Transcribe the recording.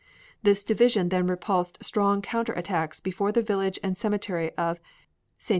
This division then repulsed strong counter attacks before the village and cemetery of Ste.